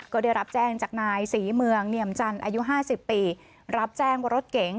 ก็ได้รับแจ้งจากนายศรีเมืองเนียมจันทร์อายุห้าสิบปีรับแจ้งว่ารถเก๋ง